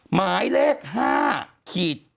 หมายเลข๕๙๐๐๑๙